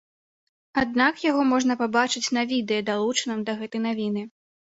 Аднак яго можна пабачыць на відэа, далучаным да гэтай навіны.